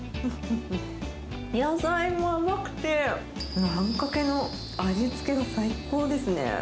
野菜も甘くて、あんかけの味付けが最高ですね。